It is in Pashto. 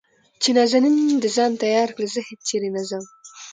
چې نازنين د ځان تيار کړي زه هېچېرې نه ځم .